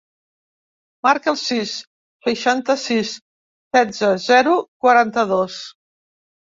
Marca el sis, seixanta-sis, setze, zero, quaranta-dos.